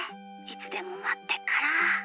いつでもまってっから。